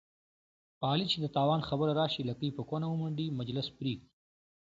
په علي چې د تاوان خبره راشي، لکۍ په کونه ومنډي، مجلس پرېږدي.